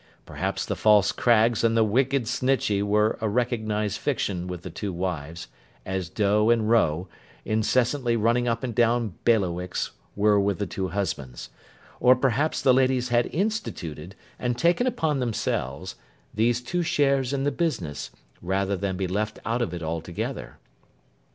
Perhaps the false Craggs and the wicked Snitchey were a recognised fiction with the two wives, as Doe and Roe, incessantly running up and down bailiwicks, were with the two husbands: or, perhaps the ladies had instituted, and taken upon themselves, these two shares in the business, rather than be left out of it altogether.